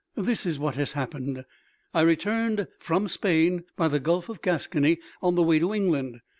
This is what has happened. I returned from Spain by the gulf of Gascony on the way to England.